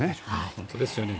本当ですよね。